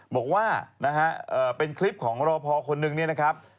บอกว่าเป็นคลิปของลอพอคนหนึ่งนี้นะครับ